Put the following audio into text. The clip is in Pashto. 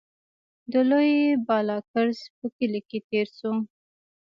د لوی بالاکرز په کلي کې تېر شوو.